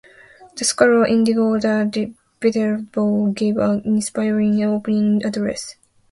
The scholar Egidio da Viterbo gave an inspiring opening address.